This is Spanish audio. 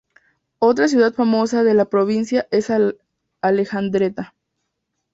Otra ciudad famosa de la provincia es Alejandreta.